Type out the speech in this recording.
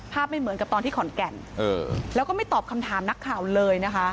ไม่เหมือนกับตอนที่ขอนแก่นแล้วก็ไม่ตอบคำถามนักข่าวเลยนะคะ